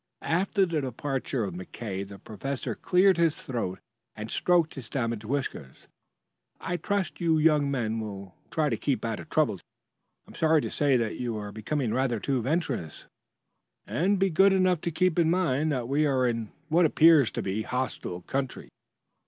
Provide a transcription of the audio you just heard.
After the departure of McKay the professor cleared his throat and stroked his damaged whiskers. "I trust you young men will try to keep out of trouble to day. I am sorry to say that you are becoming rather too venturesome. Be good enough to keep in mind that we are in what appears to be a hostile country."